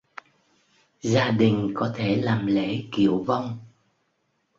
Gia đình có thể làm lễ kiệu vong